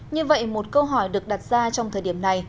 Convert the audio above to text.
như vậy một câu hỏi được đặt ra trong thời điểm này